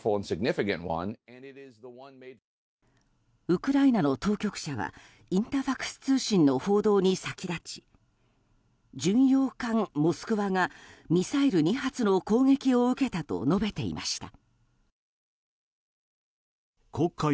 ウクライナの当局者はインタファクス通信の報道に先立ち巡洋艦「モスクワ」がミサイル２発の攻撃を受けたと述べていました。